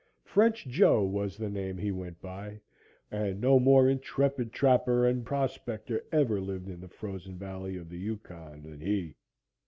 French Joe was the name he went by, and no more intrepid trapper and prospector ever lived in the frozen valley of the Yukon than he.